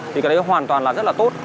thì cái đấy hoàn toàn là rất là tốt